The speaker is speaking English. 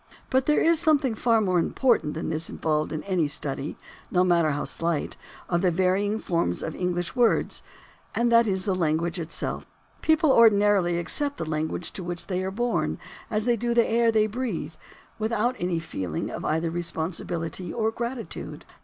But 268 THE ORIGIN OF CERTAIN AMERICANISMS there is something far more important than this in volved in any study, no matter how slight, of the varying forms of English words, and that is the lan guage itself. People ordinarily accept the language to which they are born as they do the air they breathe, without any feeling of either responsibility or grati tude.